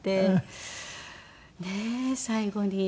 ねえ最後に。